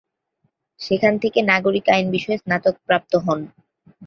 সেখান থেকে নাগরিক আইন বিষয়ে স্নাতক প্রাপ্ত হন।